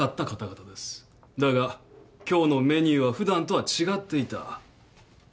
だが今日のメニューは普段とは違っていた。